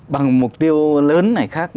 bằng mục tiêu lớn này khác